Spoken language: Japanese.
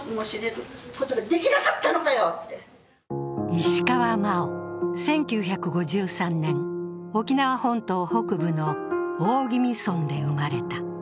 石川真生、１９５３年、沖縄本島北部の大宜味村で生まれた。